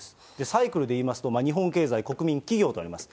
サイクルでいいますと、日本経済、国民、企業とあります。